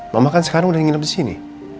mama kan sekarang udah nginep di sini